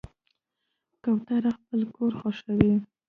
کوتره خپل کور خوښوي.